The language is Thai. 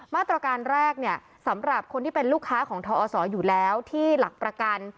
มาตรการแรกเนี่ยสำหรับคนที่เป็นลูกค้าของทอศอยู่แล้วที่หลักประกัน